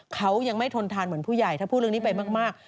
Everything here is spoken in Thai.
เขายังไม่ทนทานเหมือนผู้ใหญ่ถ้าพูดเรื่องนี้ไปมาก